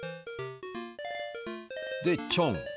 でちょん。